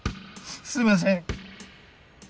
すいません。